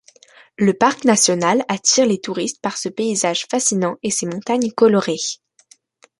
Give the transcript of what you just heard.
Le parc national attire les touristes par ce paysage fascinant et ses montagnes colorées.